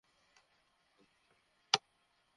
একদা তিনি রোযা রেখেছিলেন।